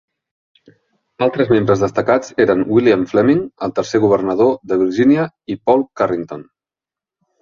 Altres membres destacats eren William Fleming, el tercer governador de Virgínia i Paul Carrington.